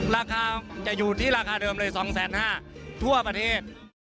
ราคาจะอยู่ที่ราคาเดิมเลย๒๕๐๐บาททั่วประเทศ